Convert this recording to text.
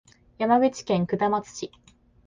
山口県下松市